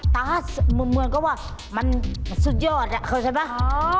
ตาสเหมือนกับว่ามันสุดยอดอะเข้าใจไหม